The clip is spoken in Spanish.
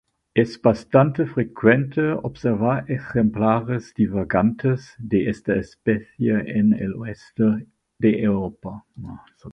Es bastante frecuente observar ejemplares divagantes de esta especie en el oeste de Europa.